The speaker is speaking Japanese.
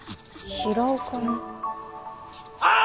・あ！